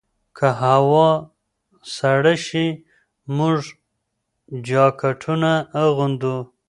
که هوا سړه شي، موږ جاکټونه اغوندو.